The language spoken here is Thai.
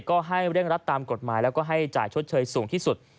ก็ให้เร่งรัดตามกฎหมายแล้วก็ให้จ่ายชดเชยสูงที่สุด